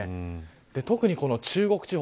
特に中国地方